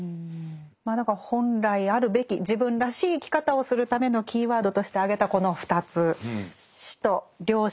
まあだから本来あるべき自分らしい生き方をするためのキーワードとして挙げたこの２つ「死」と「良心」ですね。